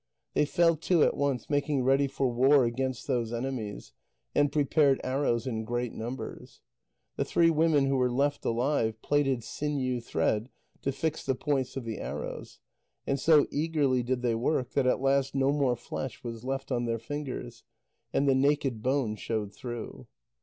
They fell to at once making ready for war against those enemies, and prepared arrows in great numbers. The three women who were left alive plaited sinew thread to fix the points of the arrows; and so eagerly did they work that at last no more flesh was left on their fingers, and the naked bone showed through.